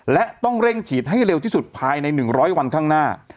และต้องเร่งฉีดให้เร็วที่สุดภายใน๑๐๐วันข้างหน้า